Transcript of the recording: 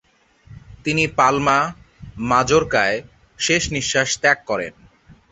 তিনি পালমা, ম্যাজোর্কায় শেষনিঃশ্বাস ত্যাগ করেন।